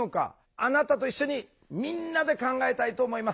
あなたと一緒にみんなで考えたいと思います。